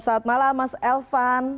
saat malam mas elvan